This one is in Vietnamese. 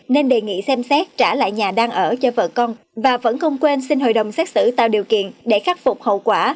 nên đề nghị xem xét trả lại nhà đang ở cho vợ con và vẫn không quên xin hội đồng xét xử tạo điều kiện để khắc phục hậu quả